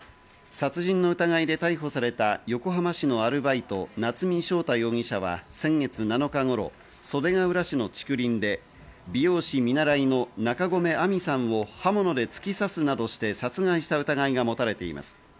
殺人の疑いで逮捕された横浜市のアルバイト・夏見翔太容疑者は、先月７日頃、袖ケ浦市の竹林で美容師見習いの中込愛美さんを刃物で突き刺すなどして殺害した疑いが持たれています。